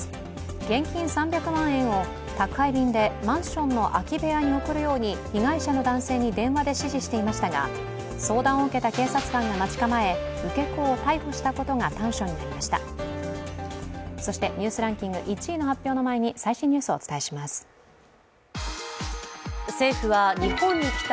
現金３００万円を宅配便でマンションの空き部屋に送るように被害者の男性に電話で指示していましたが相談を受けた警察官が待ち構え、受け子を逮捕したことが端緒になりました。